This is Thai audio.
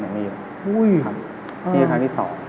ครับนี่คือครั้งที่๒